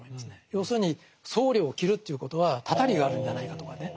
要するに僧侶を斬るということはたたりがあるんじゃないかとかね。